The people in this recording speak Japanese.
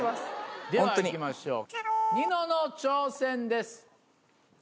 ではいきましょうニノの挑戦です。